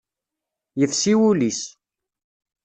Yefsi wul-is.